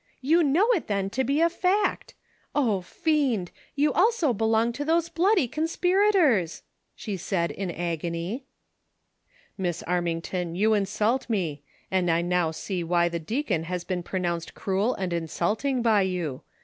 You know it, then, to be a fact ! O, fiend ! you also belong to those bloody conspirator's !" she said, in agony. "Miss Armington, you insult me, and I now see why the deacon has been pronounced cruel and insulting by you.